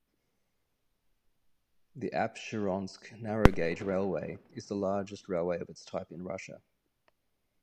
The Apsheronsk narrow-gauge railway is the longest railway of its type in Russia.